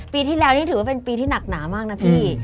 ปีที่แล้วนี่ถือว่าเป็นปีที่หนักหนามากนะพี่